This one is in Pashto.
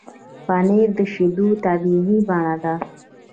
پنېر د شیدو طبیعي بڼه ده.